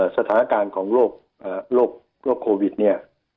สถานการณ์ของโรคโควิดเนี่ย